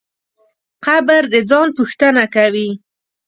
قبر د ځان پوښتنه کوي.